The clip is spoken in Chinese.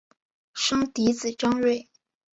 生嫡子张锐。